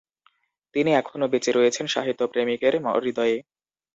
তিনি এখনো বেচে রয়েছেন সাহিত্যপ্রেমিকের হৃদয়ে।